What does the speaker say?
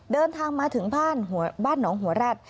เดินทางมาถึงบ้านหนองหัวแร็ด